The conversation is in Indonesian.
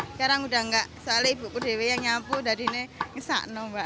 sekarang udah enggak soalnya ibu kudewi yang nyampu dari ini kesakno mbak